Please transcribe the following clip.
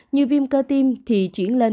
như viêm cơ tim thì chuyển lên